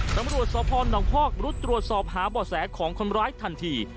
ตำรวจสพนคอกรุดตรวจสอบหาบ่อแสของคนร้ายทันที